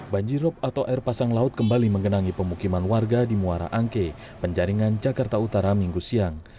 banjirop atau air pasang laut kembali menggenangi pemukiman warga di muara angke penjaringan jakarta utara minggu siang